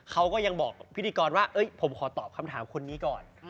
เขาก็ยังบอกพิธีกรว่าผมขอตอบคำถามคนนี้ก่อน